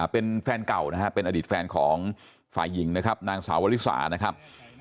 เป็นแฟนเก่านะฮะเป็นอดีตแฟนของฝ่ายหญิงนะครับนางสาวลิสานะครับ